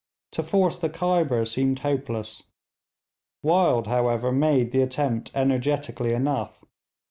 To force the Khyber seemed hopeless. Wild, however, made the attempt energetically enough.